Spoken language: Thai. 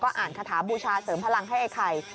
อ่านคาถาบูชาเสริมพลังให้ไอ้ไข่